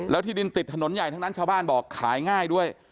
แล้วที่ดินติดถนนใหญ่ทั้งนั้นชาวบ้านบอกขายง่ายด้วย